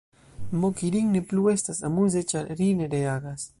Moki rin ne plu estas amuze ĉar ri ne reagas.